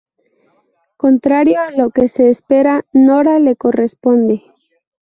Contrario a lo que se espera, Nora le corresponde.